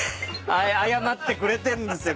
謝ってくれてんですよ